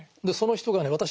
その人がね